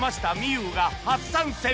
有が初参戦